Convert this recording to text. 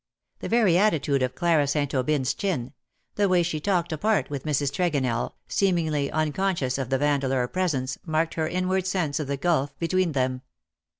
The very attitude of Clara St. Aubyn's chin — the way she talked apart with Mrs. Tregonell^ seemingly unconscious of the Vandeleur presence, marked her inward sense of the gulf between them.